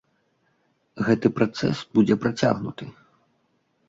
Гэты працэс будзе працягнуты.